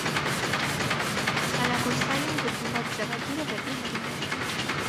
«Սարագոսայում գտնված ձեռագիրը» վեպի հեղինակն է։